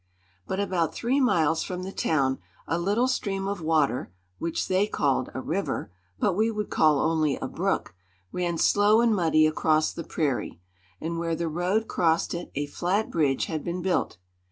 But about three miles from the town a little stream of water (which they called a "river," but we would call only a brook) ran slow and muddy across the prairie; and where the road crossed it a flat bridge had been built.